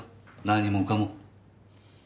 何もかも。